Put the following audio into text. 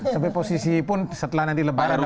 sebagai posisi pun setelah nanti lebaran apa sebut